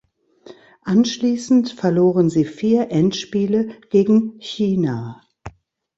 Anschließend verloren sie vier Endspiele gegen China.